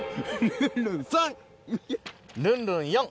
ルンルン４！